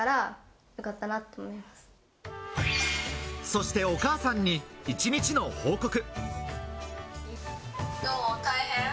そしてお母さんに一日の報告。